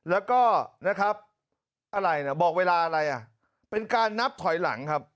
แล้วก็โบสถ์เวลาอะไรเป็นการนับถอยหลังครับ